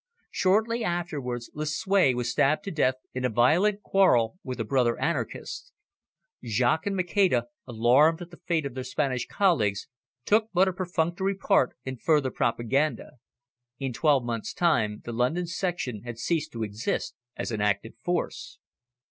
Shortly afterwards Lucue was stabbed to death in a violent quarrel with a brother anarchist. Jaques and Maceda, alarmed at the fate of their Spanish colleagues, took but a perfunctory part in further propaganda. In twelve months' time the London section had ceased to exist as an active force.